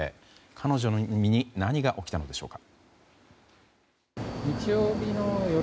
彼女の身に何が起きたのでしょうか。